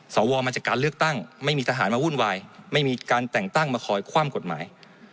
สวมาจากการเลือกตั้งไม่มีทหารมาวุ่นวายไม่มีการแต่งตั้งมาคอยคว่ำกฎหมาย